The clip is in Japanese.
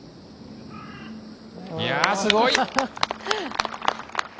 いや、すごい！